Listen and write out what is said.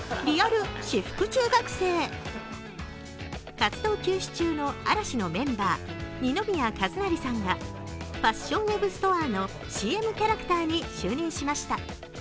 活動休止中の嵐のメンバー、二宮和也さんがファッションウェブストアのＣＭキャラクターに就任しました。